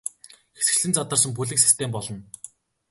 Хэсэгчлэн задарсан бүлэг систем болно.